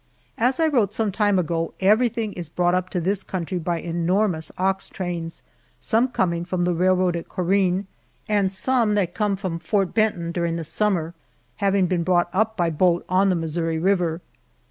As I wrote some time ago, everything is brought up to this country by enormous ox trains, some coming from the railroad at Corinne, and some that come from Fort Benton during the Summer, having been brought up by boat on the Missouri River.